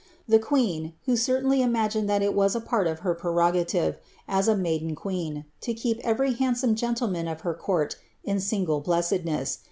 The q who certainly imagined that it was a pari of her preroijative. as a m queen, lo keep every handsome gentleman of her court in single blc ness.